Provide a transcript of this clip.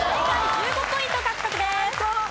１５ポイント獲得です。